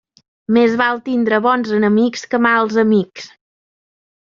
Més val tindre bons enemics que mals amics.